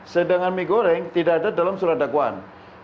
sedangkan mie goreng tidak ada dalam surat dakwaan